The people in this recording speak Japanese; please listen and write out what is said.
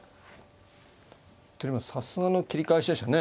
さすがの切り返しでしたね。